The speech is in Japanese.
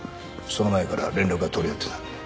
その前から連絡は取り合ってた。